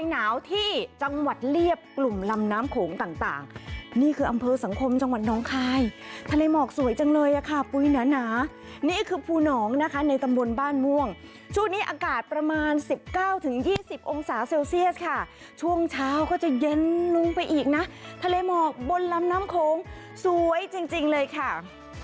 นี่คืออำเภอสังคมจังหวัดน้องคลายทะเลหมอกสวยจังเลยอ่ะค่ะปุ้ยหนานี่คือภูนองนะคะในตำบลบ้านม่วงช่วงนี้อากาศประมาณสิบเก้าถึงยี่สิบองศาเซลเซียสค่ะช่วงเช้าก็จะเย็นลงไปอีกนะทะเลหมอกบนลำน้ำโขงสวยจริงเลยค่ะ